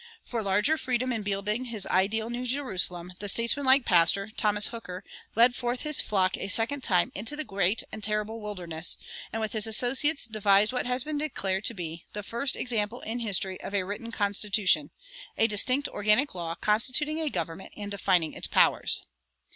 For larger freedom in building his ideal New Jerusalem, the statesmanlike pastor, Thomas Hooker, led forth his flock a second time into the great and terrible wilderness, and with his associates devised what has been declared to be "the first example in history of a written constitution a distinct organic law constituting a government and defining its powers."